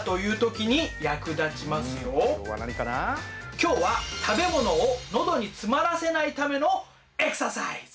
今日は食べ物を喉に詰まらせないためのエクササイズ！